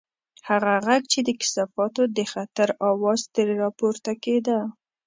هغه غږ چې د کثافاتو د خطر اواز ترې راپورته کېده.